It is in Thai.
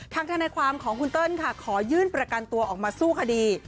ทนายความของคุณเติ้ลค่ะขอยื่นประกันตัวออกมาสู้คดี